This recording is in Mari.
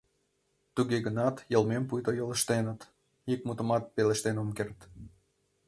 Туге гынат йылмем пуйто йолыштеныт, ик мутымат пелештен ом керт.